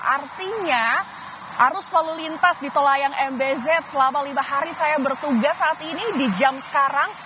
artinya arus lalu lintas di tol layang mbz selama lima hari saya bertugas saat ini di jam sekarang